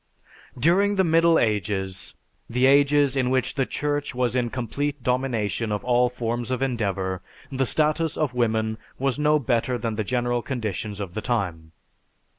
"_) During the Middle Ages, the ages in which the Church was in complete domination of all forms of endeavor, the status of woman was no better than the general conditions of the time.